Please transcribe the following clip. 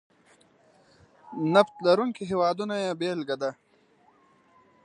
نفت لرونکي هېوادونه یې بېلګه ده.